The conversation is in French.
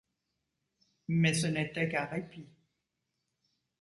Mais ce n'était qu'un répit.